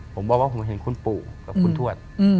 ผมบอกว่าผมเห็นคุณปู่กับคุณทวด